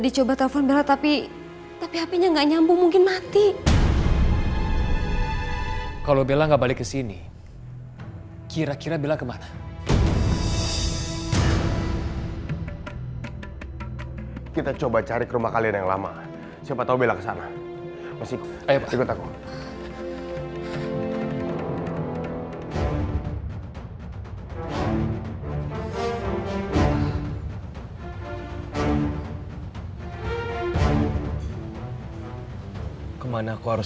jangan lupa like share dan subscribe channel ini untuk dapat info terbaru